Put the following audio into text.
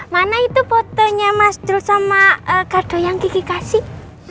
mana itu fotonya mas dul sama gado yang gigi kasih